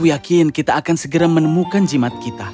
aku yakin kita akan segera menemukan jimat kita